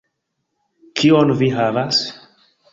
Kion vi havas?